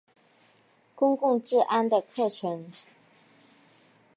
公共治安的课程。